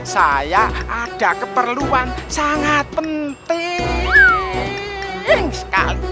saya ada keperluan sangat penting sekali